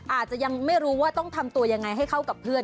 อาจจะยังไม่รู้ว่าต้องทำตัวยังไงให้เข้ากับเพื่อน